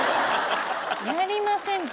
やりませんって。